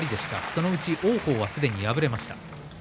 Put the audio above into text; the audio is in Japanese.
そのうち王鵬はすでに敗れました。